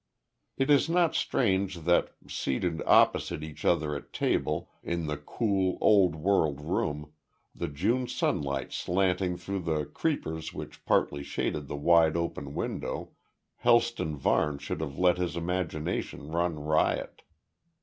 It is not strange that, seated opposite each other at table, in the cool, old world room, the June sunlight slanting through the creepers which partly shaded the wide open window, Helston Varne should have let his imagination run riot.